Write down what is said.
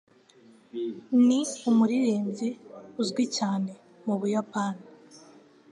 Ni umuririmbyi uzwi cyane mu Buyapani.